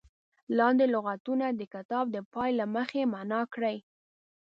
لاندې لغتونه د کتاب د پای له برخې معنا کړي.